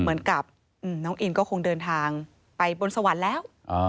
เหมือนกับน้องอินก็คงเดินทางไปบนสวรรค์แล้ว